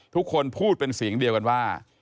ทุกคนพูดเป็นเสียงเดียวกันว่า